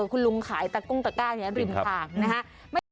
คุณลุงขายตั๊กกุ้งตะก้าอย่างนี้ริ่มขากนะฮะ